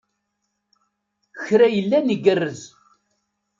Kra yellan igerrez.